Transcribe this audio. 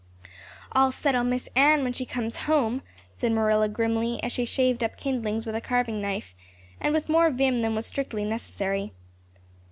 "I'll settle Miss Anne when she comes home," said Marilla grimly, as she shaved up kindlings with a carving knife and with more vim than was strictly necessary.